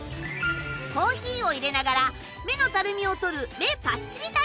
コーヒーを入れながら目のたるみを取る。